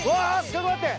ちょっと待って。